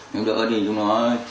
nếu đỡ thì chúng nó